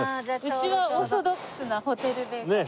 うちはオーソドックスなホテルベーカリー。